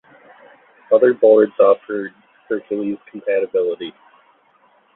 Other boards offered Hercules compatibility.